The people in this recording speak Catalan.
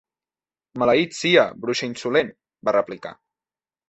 'Maleït sia, bruixa insolent!', va replicar.